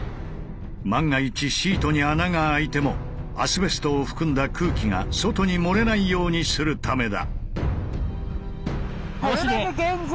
万が一シートに穴が開いてもアスベストを含んだ空気が外に漏れないようにするためだ。